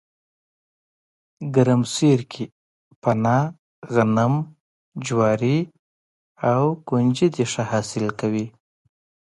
ګرمسیر کې پنه، غنم، جواري او ُکنجدي ښه حاصل کوي